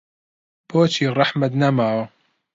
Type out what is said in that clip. بۆچی ڕەحمت نەماوە